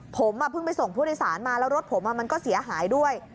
ผมเพิ่งไปส่งผู้โดยสารมาแล้วรถผมมันก็เสียหายด้วย